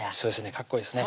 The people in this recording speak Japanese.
かっこいいですね